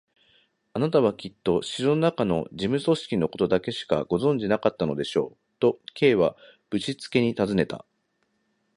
「あなたはきっと城のなかの事務組織のことだけしかご存じでないのでしょう？」と、Ｋ はぶしつけにたずねた。